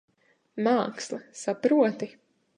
Māksla. Saproti?